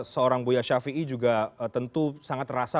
seorang buya syafiee juga tentu sangat terasa